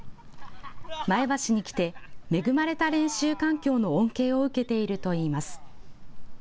前橋に来て恵まれた練習環境の恩恵を受けているといいます。